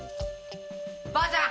ばあちゃん！